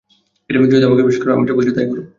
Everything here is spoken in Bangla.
যদি আমাকে বিশ্বাস করো, আমি যা বলছি তাই করো।